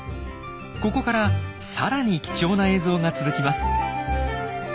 ここからさらに貴重な映像が続きます。